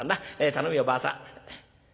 頼むよばあさん。